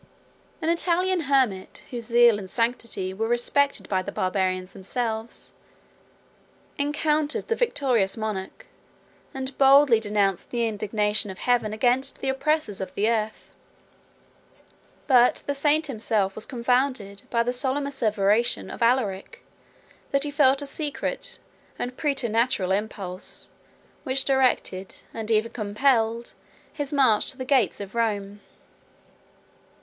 An Italian hermit, whose zeal and sanctity were respected by the Barbarians themselves, encountered the victorious monarch, and boldly denounced the indignation of Heaven against the oppressors of the earth; but the saint himself was confounded by the solemn asseveration of Alaric, that he felt a secret and praeternatural impulse, which directed, and even compelled, his march to the gates of Rome.